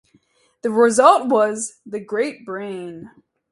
The result was "The Great Brain".